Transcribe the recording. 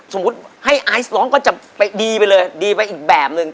สมมุติให้ไอซ์ร้องก็จะไปดีไปเลยดีไปอีกแบบนึง